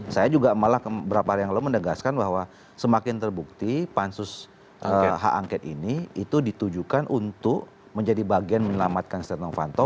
saya juga malah beberapa hari yang lalu menegaskan bahwa semakin terbukti pansus hak angket ini itu ditujukan untuk menjadi bagian menyelamatkan setia novanto